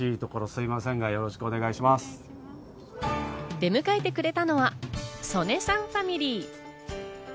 出迎えてくれたのは曽根さんファミリー。